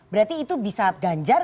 berarti itu bisa ganjar